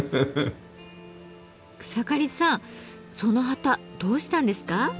草刈さんその旗どうしたんですか？